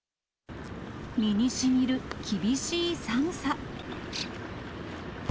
身にしみる厳しい寒さ。